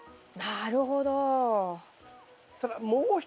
なるほど。